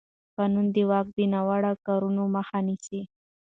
قانون د واک د ناوړه کارونې مخه نیسي.